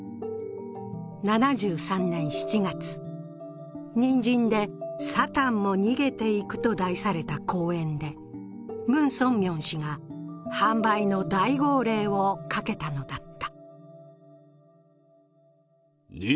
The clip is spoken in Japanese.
７３年７月、「人参でサタンも逃げていく」と題された講演で文鮮明氏が販売の大号令をかけたのだった。